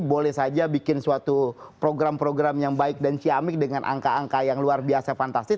boleh saja bikin suatu program program yang baik dan ciamik dengan angka angka yang luar biasa fantastis